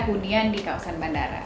hunian di kawasan bandara